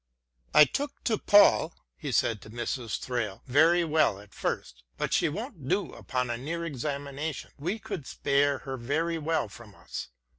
" I took to Poll," he said to Mrs. Thrale, " very well at first, but she won't do upon a nearer examination. We could spare her very well from us.